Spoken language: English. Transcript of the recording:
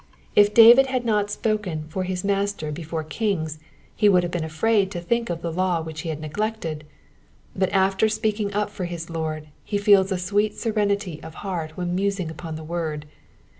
If David had not spoken for his Master before kings, he would have been afraid to think of the law which he had neglected ; but after speaking up for his Lord he feels a sweet serenity of heart when musing upon the word.